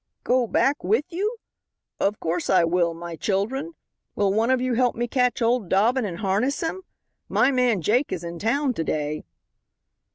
"Go back with you? Of course, I will, my children. Will one of you help me catch old Dobbin and harness him? My man Jake is in town to day."